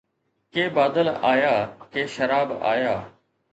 ڪي بادل آيا، ڪي شراب آيا